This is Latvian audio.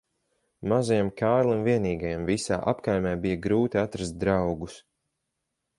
Mazajam Kārlim vienīgajam visā apkaimē bija grūti atrast draugus.